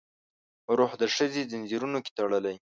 روح د ښځې ځنځیرونو کې تړلی